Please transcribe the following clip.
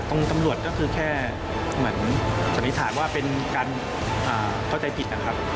ตำรวจก็คือแค่เหมือนสันนิษฐานว่าเป็นการเข้าใจผิดนะครับ